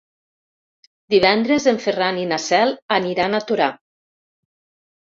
Divendres en Ferran i na Cel aniran a Torà.